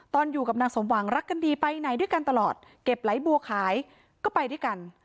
อยู่กับนางสมหวังรักกันดีไปไหนด้วยกันตลอดเก็บไหลบัวขายก็ไปด้วยกัน